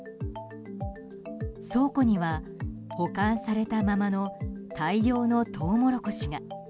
倉庫には保管されたままの大量のトウモロコシが。